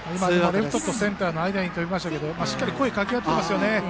レフトとセンターの間に飛びましたけどしっかり声をかけ合っていますよね。